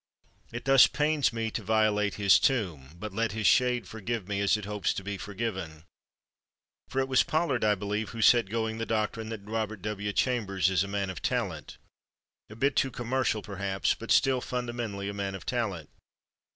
It thus pains me to violate his tomb—but let his shade forgive me as it hopes to be forgiven! For it was Pollard, I believe, who set going the doctrine that Robert W. Chambers is a man of talent—a bit too commercial, perhaps, but still fundamentally a man of talent.